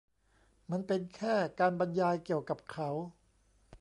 มันเป็นแค่การบรรยายเกี่ยวกับเขา